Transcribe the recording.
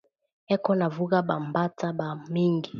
Eko na vuga ba mbata ba mingi